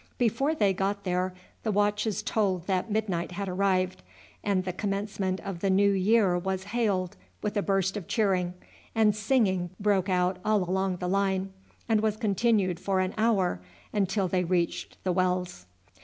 Before they got there the watches told that midnight had arrived, and the commencement of the new year was hailed with a burst of cheering, and singing broke out all along the line, and was continued for an hour, until they reached the wells.